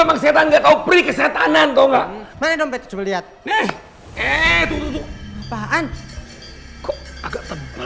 emang setan gak tau prik kesetanan tau nggak mana dompet coba lihat eh eh tuh tuh apaan